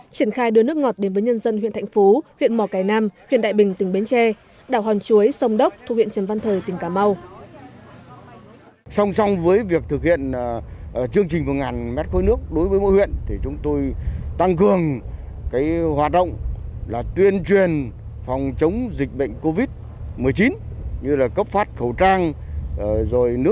triển khai đưa nước ngọt đến với nhân dân huyện thạnh phú huyện mò cài nam huyện đại bình tỉnh bến tre đảo hòn chuối sông đốc thu huyện trần văn thời tỉnh cà mau